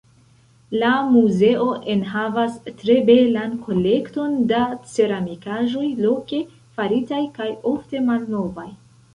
La muzeo enhavas tre belan kolekton da ceramikaĵoj, loke faritaj kaj ofte malnovaj.